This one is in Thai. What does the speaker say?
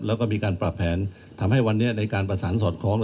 แล้วก็มีการปรับแผนทำให้วันนี้ในการประสานสอดคล้อง